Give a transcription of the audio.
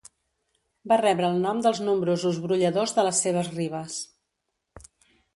Va rebre el nom dels nombrosos brolladors de les seves ribes.